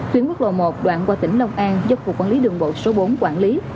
tuyến quốc lộ một đoạn qua tỉnh long an do cục quản lý đường bộ số bốn quản lý